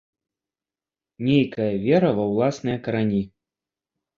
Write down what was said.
Нейкая вера ва ўласныя карані.